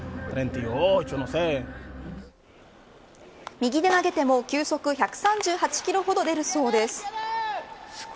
右で投げても球速１３８キロほど出るそうです。